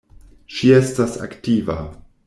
Ŝi estas aktiva.